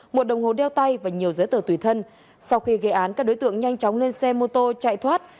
một đồng hồ đeo tay và nhiều giấy tờ tùy thân sau khi gây án các đối tượng nhanh chóng lên xe mô tô chạy thoát